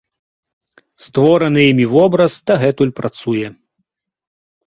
Створаны імі вобраз дагэтуль працуе.